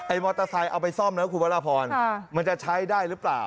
มอเตอร์ไซค์เอาไปซ่อมนะคุณพระราพรมันจะใช้ได้หรือเปล่า